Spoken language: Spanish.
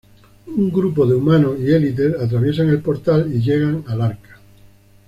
Un grupo de Humanos y Elites atraviesan el Portal y llegan al arca.